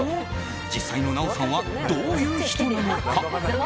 実際の奈緒さんはどういう人なのか。